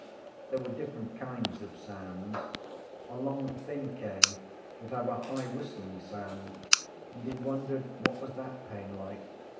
There were different kinds of sounds. A long thin cane would have a high whistling sound and he wondered what was that pain like.